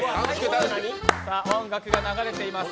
音楽が流れています。